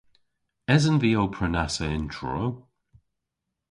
Esen vy ow prenassa yn Truru?